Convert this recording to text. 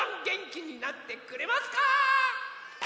げんきになってくれますか？